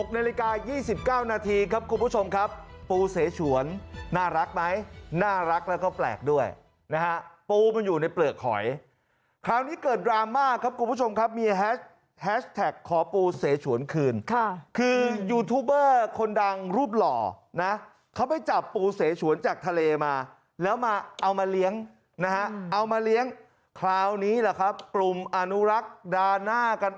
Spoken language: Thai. นาฬิกา๒๙นาทีครับคุณผู้ชมครับปูเสฉวนน่ารักไหมน่ารักแล้วก็แปลกด้วยนะฮะปูมันอยู่ในเปลือกหอยคราวนี้เกิดดราม่าครับคุณผู้ชมครับมีแฮชแท็กขอปูเสฉวนคืนค่ะคือยูทูบเบอร์คนดังรูปหล่อนะเขาไปจับปูเสฉวนจากทะเลมาแล้วมาเอามาเลี้ยงนะฮะเอามาเลี้ยงคราวนี้แหละครับกลุ่มอนุรักษ์ดาหน้ากัน